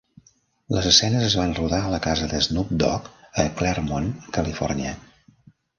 Les escenes es van rodar a la casa d'Snoop Dogg a Claremont, Califòrnia.